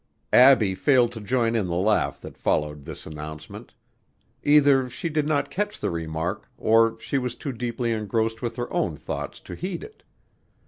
Abbie failed to join in the laugh that followed this announcement. Either she did not catch the remark, or she was too deeply engrossed with her own thoughts to heed it.